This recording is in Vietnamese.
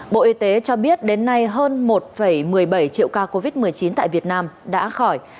bộ y tế cho biết đến nay hơn một một mươi bảy triệu ca covid một mươi chín tại việt nam đã khỏi